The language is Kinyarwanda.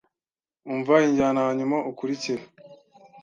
Umva injyana hanyuma ukurikire.